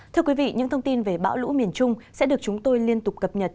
thưa quý vị những thông tin về bão lũ miền trung sẽ được chúng tôi liên tục cập nhật